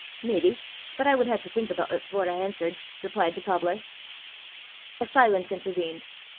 "Maybe; but I wud hae to think aboot it afore I answert," replied the cobbler. A silence intervened.